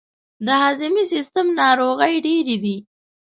د هضمي سیستم ناروغۍ ډیرې دي.